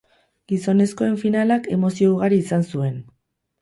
Gizonezkoen finalak emozio ugari izan zuen.